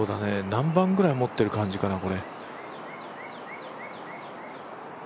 何番ぐらい持ってる感じかな？